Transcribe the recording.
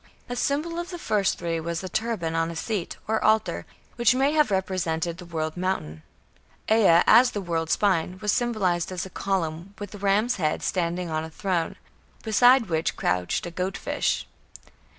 A symbol of the first three was a turban on a seat, or altar, which may have represented the "world mountain". Ea, as "the world spine", was symbolized as a column, with ram's head, standing on a throne, beside which crouched a "goat fish".